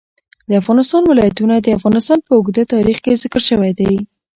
د افغانستان ولايتونه د افغانستان په اوږده تاریخ کې ذکر شوی دی.